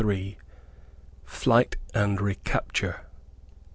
FLIGHT AND RECAPTURE.